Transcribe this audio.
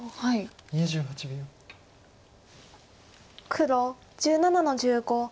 黒１７の十五ツケ。